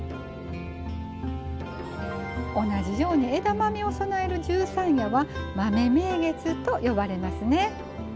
同じように枝豆を供える十三夜は豆名月と呼ばれますね。